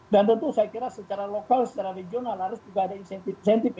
dan tentu saya kira secara lokal secara regional harus juga ada insentif insentif